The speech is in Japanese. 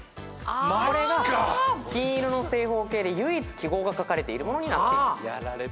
これが金色の正方形で唯一記号がかかれているものになっています。